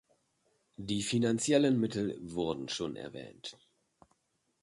Die finanziellen Mittel wurden schon erwähnt.